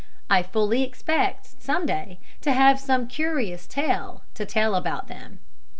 I fully expect, some day, to have some curious tale to tell about them.